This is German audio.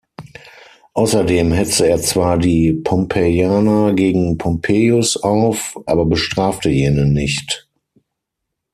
Außerdem hetzte er zwar die Pompeianer gegen Pompeius auf, aber bestrafte jene nicht.